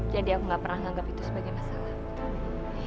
jadi aku gak pernah nganggep itu sebagai masalah